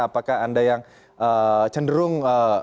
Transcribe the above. apakah anda yang cenderung